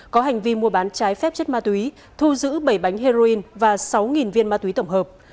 có hành vi mua bán trái phép chất ma túy thu giữ bảy bánh heroin và sáu viên ma túy tổng hợp